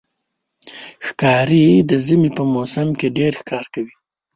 ښکاري د ژمي په موسم کې ډېر ښکار کوي.